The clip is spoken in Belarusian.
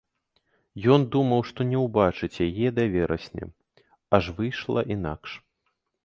Ён думаў, што не ўбачыць яе да верасня, аж выйшла інакш.